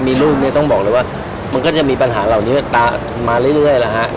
มีลูกเนี่ยต้องบอกเลยว่ามันก็จะมีปัญหาเหล่านี้มาเรื่อยแล้วฮะ